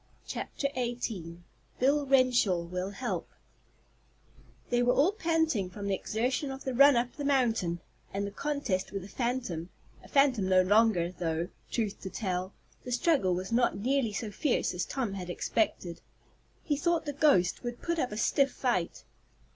CHAPTER XVIII BILL RENSHAW WILL HELP They were all panting from the exertion of the run up the mountain and the contest with the phantom a phantom no longer though, truth to tell, the struggle was not nearly so fierce as Tom had expected. He thought the "ghost" would put up a stiff fight.